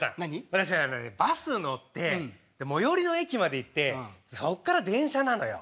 私バス乗ってで最寄りの駅まで行ってそっから電車なのよ。